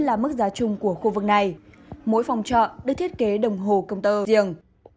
là mức giá chung của khu vực này mỗi phòng trọ được thiết kế đồng hồ công tơ riềng